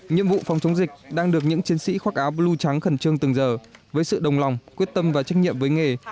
nhiệm vụ phòng chống dịch đang được những chiến sĩ khoác áo blue trắng khẩn trương từng giờ với sự đồng lòng quyết tâm và trách nhiệm với nghề